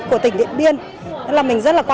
của tỉnh điện biên mình rất là